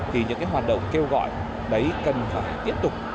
thì những cái hoạt động kêu gọi đấy cần phải tiếp tục